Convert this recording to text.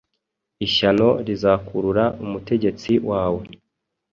ishyano rizakurura umutegetsi wawe